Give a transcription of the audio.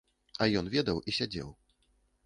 А ён ведаў і сядзеў.